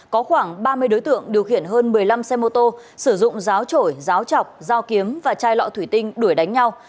có khoảng ba mươi đối tượng điều khiển hơn một mươi năm xe mô tô sử dụng ráo trổi ráo chọc dao kiếm và chai lọ thủy tinh đuổi đánh nhau